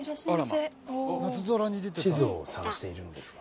地図を探しているんですが。